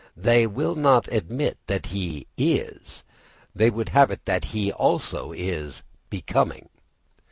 They will not admit that he is; they would have it that he also is _becoming.